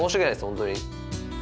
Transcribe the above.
本当に。